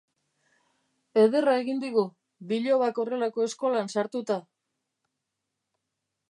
Ederra egin digu, bilobak horrelako eskolan sartuta!